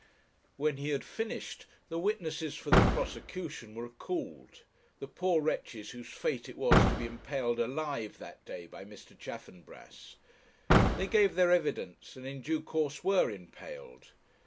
When he had finished, the witnesses for the prosecution were called the poor wretches whose fate it was to be impaled alive that day by Mr. Chaffanbrass. They gave their evidence, and in due course were impaled.